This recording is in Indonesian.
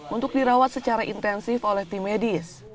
untuk dirawat secara intensif oleh tim medis